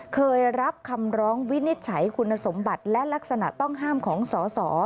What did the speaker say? เคยรับคำร้องวินิจฉัยคุณสมบัติและลักษณะต้องห้ามของสส